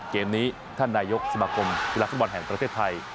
เกมนี้ทำใหม่นายกสมกรมฝีระสะวันแห่งประเทศไทย